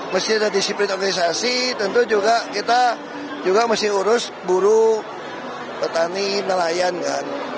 mesti ada disiplin organisasi tentu juga kita juga mesti urus buru petani nelayan kan